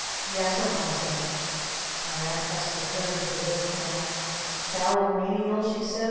"Yes'm," I said. Our Aunt Esta turned to the Rich Man. "Foul Menial," she said.